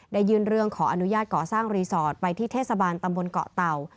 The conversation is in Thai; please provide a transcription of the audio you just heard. ยื่นเรื่องขออนุญาตก่อสร้างรีสอร์ทไปที่เทศบาลตำบลเกาะเต่า